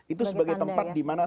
itu sebagai tempat dimana saya